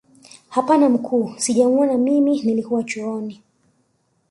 Hapana mkuu sijamuona mimi nilikuwa chooni